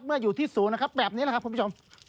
เมื่ออยู่ที่ศูนย์นะครับแบบนี้นะครับคุณผู้ชม